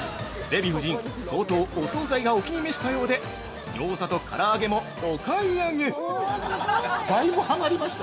◆デヴィ夫人、相当お総菜がお気に召したようでギョーザとから揚げもお買い上げ。